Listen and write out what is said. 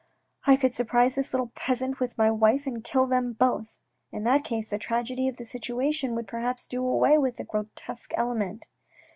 I could surprise this little peasant with my wife and kill them both ; in that case the tragedy of the situation would perhaps do away with the grotesque element."